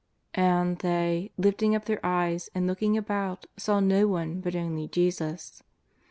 " And they, lifting up their eyes and looking about, saw no one but only Jesus.